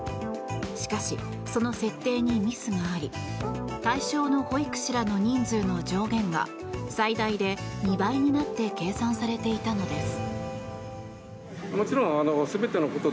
しかし、その設定にミスがあり対象の保育士らの人数の上限が最大で２倍になって計算されていたのです。